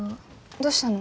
どうしたの？